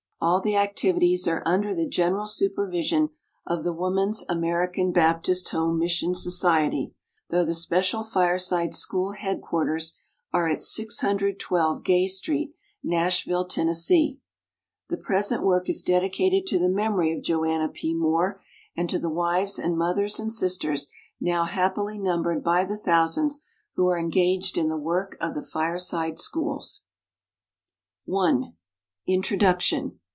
All the activities are under the general supervision of the Woman's American Baptist Home Mission Society, though the special Fireside School head quarters are at 612 Gay Street, Nashville, Tennessee. The present work is dedicated to the memory of Joanna P. Moore, and to the wives and mothers and sisters, now hap pily numbered by the thousands, who are engaged in the work of the Fireside Schools. I. INTRODUCTION.